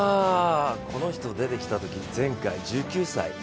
この人出てきたとき、前回１９歳。